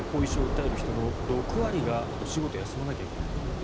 後遺症を訴える人の６割がお仕事を休まないといけない。